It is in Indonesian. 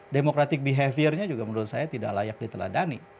democratic behavior nya juga menurut saya tidak layak diteladani